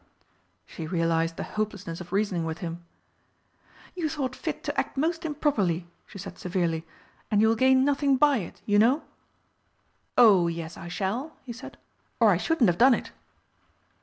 She realised the hopelessness of reasoning with him. "You thought fit to act most improperly," she said severely, "and you will gain nothing by it, you know!" "Oh, yes I shall," he said, "or I shouldn't have done it."